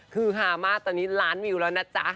คือฮามากตอนนี้ล้านวิวแล้วนะจ๊ะ